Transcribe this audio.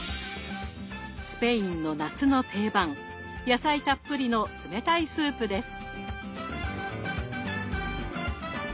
スペインの夏の定番野菜たっぷりの冷たいスープです。